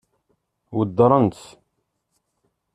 Weddṛent-tt?